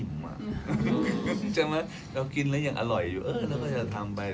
ก็ไม่อิ่มจริงนะเรากินแล้วยังอร่อยอยู่แล้วก็จะทำไป